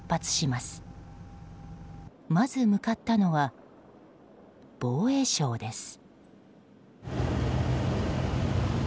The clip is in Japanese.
まず向かったのは防衛省です。